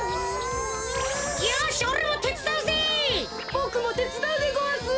ボクもてつだうでごわす！